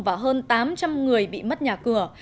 và hơn tám trăm linh người bị mất nhà cửa